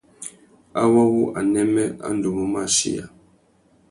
Awô wu anêmê a ndú mú mù achiya.